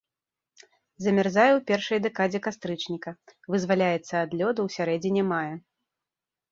Замярзае ў першай дэкадзе кастрычніка, вызваляецца ад лёду ў сярэдзіне мая.